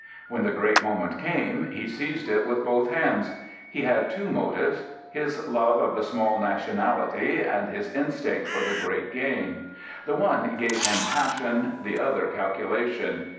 When the great moment came he seized it with both hands. He had two motives: his love of the small nationality and his instinct for the great game. The one gave him passion, the other calculation.